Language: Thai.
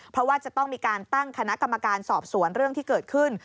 เพราะว่าจะต้องมีการตั้งคณะกรรมการสอบสวนเรื่องที่เกิดขึ้น